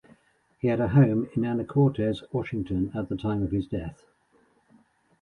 He had a home in Anacortes, Washington, at the time of his death.